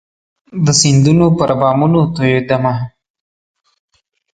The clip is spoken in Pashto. د سیندونو پر بامونو توئيدمه